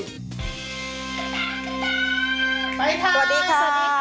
สวัสดีค่ะ